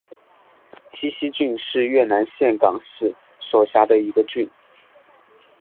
清溪郡是越南岘港市所辖的一个郡。